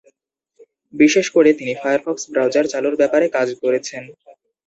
বিশেষ করে তিনি ফায়ারফক্স ব্রাউজার চালুর ব্যাপারে কাজ করেছেন।